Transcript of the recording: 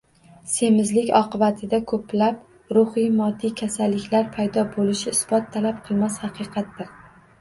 Semizlik oqibatida ko‘plab ruhiy, moddiy kasalliklar paydo bo‘lishi isbot talab qilmas haqiqatdir.